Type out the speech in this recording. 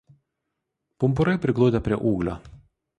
Pumpurai prigludę prie ūglio.